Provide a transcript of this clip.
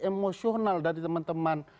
emosional dari teman teman